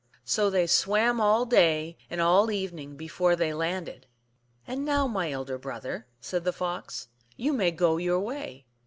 So they swam all day and all the evening before they landed. " And now, my elder brother," said the Fox, " you may go your way."